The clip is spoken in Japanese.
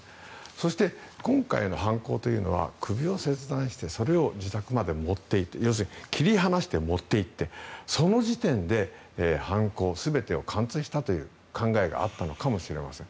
そして、今回の犯行というのは首を切断してそれを自宅まで持っていって要するに切り離して持っていってその時点で犯行、全てを完遂したという考えがあったのかもしれません。